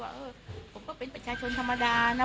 ว่าผมก็เป็นปลอดภัยชนธรรมดา